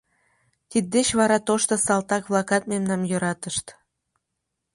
Тиддеч вара тошто салтак-влакат мемнам йӧратышт.